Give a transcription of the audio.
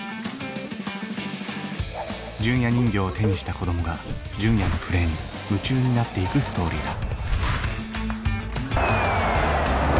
ジュンヤ人形を手にした子どもが純也のプレーに夢中になっていくストーリーだ。